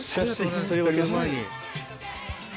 取り分ける前に。